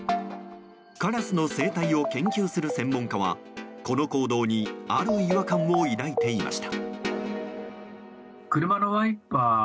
カラスの生態を研究する専門家はこの行動にある違和感を抱いていました。